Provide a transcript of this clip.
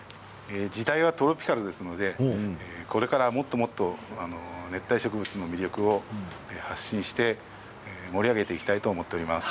時代はトロピカルですのでこれから、もっともっと熱帯植物の魅力を発信して盛り上げていきたいと思っております。